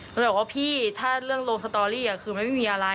ก็เลยบอกว่าพี่ถ้าเรื่องลงสตอรี่คือมันไม่มีอะไร